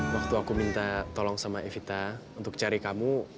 waktu aku minta tolong sama evita untuk cari kamu